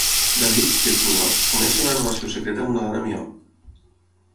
David, que és miop, comença una relació secreta amb una dona miop.